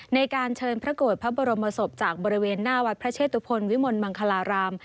ในการเชิญพระโกรธพระบรมศพจากบริเวณหน้าวัดพระเชตุพลวิมลมังคลาราม